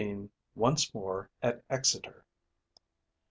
ONCE MORE AT EXETER.